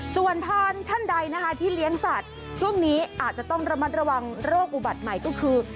ส่วนท่านใดนะคะที่เลี้ยงสัตว์ช่วงนี้อาจจะต้องระมัดระวังโรคอุบัติใหม่ก็คือ